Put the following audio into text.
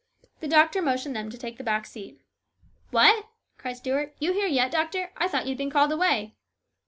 The doctor motioned them to take the back seat. " What !" cried Stuart, " you here yet, doctor ? I thought you had been called away."